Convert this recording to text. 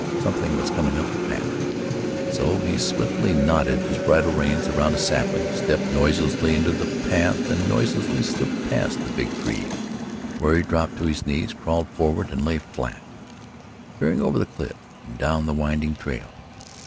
Something was coming up the path, so he swiftly knotted his bridle reins around a sapling, stepped noiselessly into the path and noiselessly slipped past the big tree where he dropped to his knees, crawled forward and lay flat, peering over the cliff and down the winding trail.